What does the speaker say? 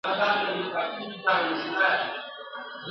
اوس د شمعي په لمبه کي ټګي سوځي !.